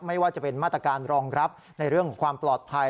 ไม่ว่าจะเป็นมาตรการรองรับในเรื่องของความปลอดภัย